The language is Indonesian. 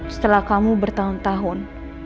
setelah kamu bertahun tahun